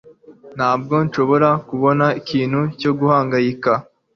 Ntabwo nshobora kubona ikintu cyo guhangayika